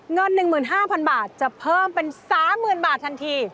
เงิน๑๕๐๐๐บาทจะเพิ่มเป็น๓๐๐๐บาททันที